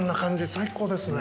最高ですね。